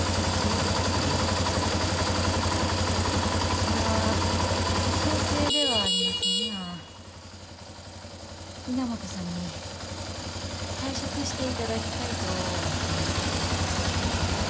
これは強制ではありませんが稲本さんに退職していただきたいと思てます。